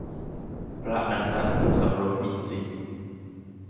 พระนันทะ ผู้สำรวมอินทรีย์